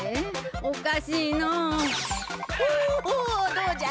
どうじゃ？